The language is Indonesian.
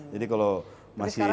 jadi kalau masih